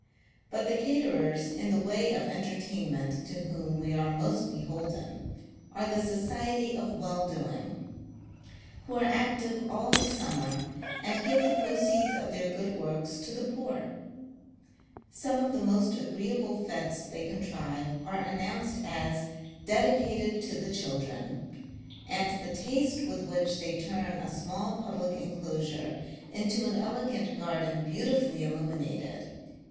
But, the caterers in the way of entertainment to whom we are most beholden, are the Society of Welldoing, who are active all the summer, and give the proceeds of their good works to the poor. Some of the most agreeable fe"tes they con trive, nre announced as " Dedicated to the children ;" and the taste with which they turn a small public enclosure into an elegant ' garden beautifully illuminated ; aud the water — is astoundingly cheap.